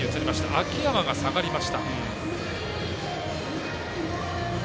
秋山が下がりました。